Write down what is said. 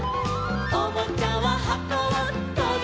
「おもちゃははこをとびだして」